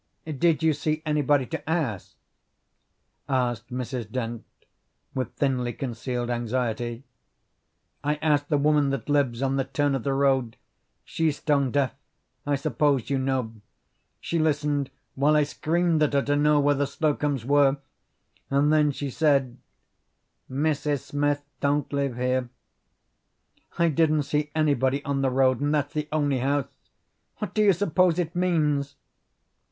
"Did you see anybody to ask?" asked Mrs. Dent with thinly concealed anxiety. "I asked the woman that lives on the turn of the road. She's stone deaf. I suppose you know. She listened while I screamed at her to know where the Slocums were, and then she said, 'Mrs. Smith don't live here.' I didn't see anybody on the road, and that's the only house. What do you suppose it means?"